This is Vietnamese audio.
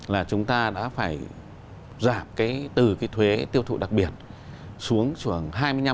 là chúng ta đã phải giảm cái từ cái thuế tiêu thụ đặc biệt xuống chừng hai mươi năm